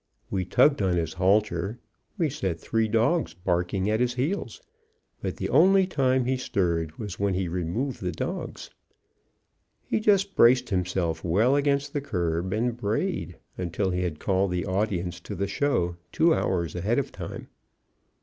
We tugged on his halter; we set three dogs barking at his heels; but the only time he stirred was when he removed the dogs. He just braced himself well against the curb, and brayed until he had called the audience to the show two hours ahead of time.